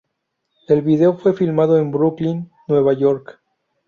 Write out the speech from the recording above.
El video fue filmado en Brooklyn, Nueva York.